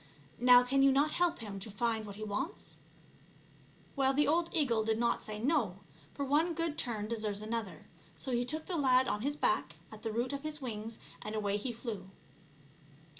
Now can you not help him to find what he wants ?" Well, the old eagle did not say no, for one good turn deserves another ; so he took the lad on his back at the root of his wings and away he flew.